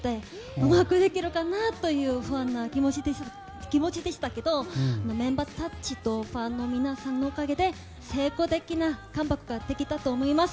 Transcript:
うまくできるかなという不安な気持ちでしたけどメンバーたちとファンの皆さんのおかげで成功的なカムバックができたと思います！